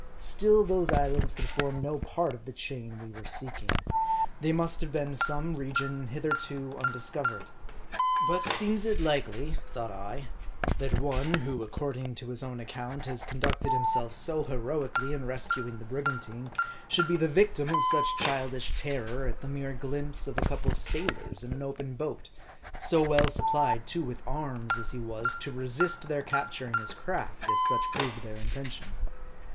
Still, those islands could form no part of the chain we were seeking. They must have been some region hitherto undiscovered. But seems it likely, thought I, that one, who, according to his own account, has conducted himself so heroically in rescuing the brigantine, should be the victim of such child ish terror at the mere glimpse of a couple of sailors in an open boat, so well supplied, too, with arms, as he was, to resist their capturing his craft, if such proved their intention